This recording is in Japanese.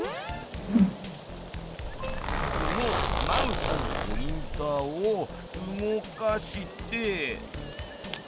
このマウスのポインターを動かして。